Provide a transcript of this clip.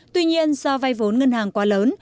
tuy nhiên do vai vốn ngân hàng quá lớn